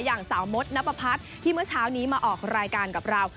อย่างสาวมดนับประพัฒน์ที่เมื่อเช้านี้มาออกรายการกับเรา